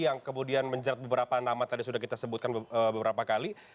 yang kemudian menjerat beberapa nama tadi sudah kita sebutkan beberapa kali